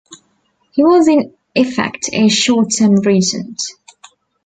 He was in effect a short-term regent.